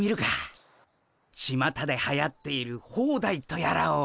ちまたではやっているホーダイとやらを。